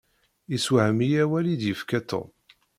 Iswahem-iyi awal i d-yefka Tom.